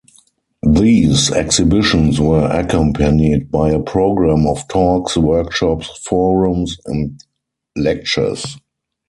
These exhibitions were accompanied by a programme of talks, workshops, forums and lectures.